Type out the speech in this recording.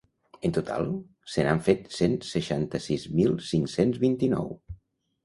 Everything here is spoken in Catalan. En total, se n'han fet cent seixanta-sis mil cinc-cents vint-i-nou.